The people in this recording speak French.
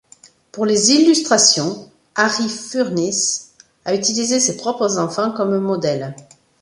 Pour les illustrations, Harry Furniss a utilisé ses propres enfants comme modèles.